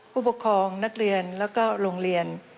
ผู้ปกครองนักเรียนแล้วก็โรงเรียน